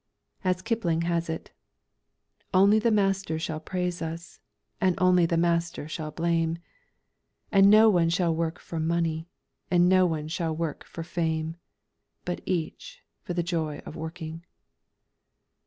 As Kipling has it: _"Only the Master shall praise us, and only the Master shall blame, And no one shall work for money and no one shall work for fame, But each for the joy of working...."